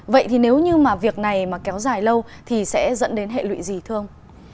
vậy thì nếu như mà việc này mà kéo dài lâu thì sẽ dẫn đến hệ lụy gì thương